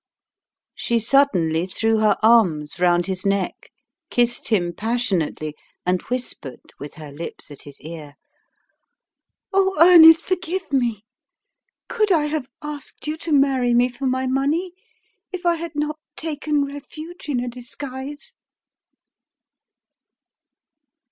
She suddenly threw her arms round his neck, kissed him passionately, and whispered, with her lips at his ear, "O Ernest, forgive me! Could I have asked you to marry me for my money if I had not taken refuge in a disguise?"